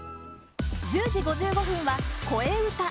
１０時５５分は「こえうた」。